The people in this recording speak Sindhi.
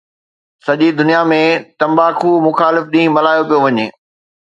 سڄي دنيا ۾ تمباڪو مخالف ڏينهن ملهايو پيو وڃي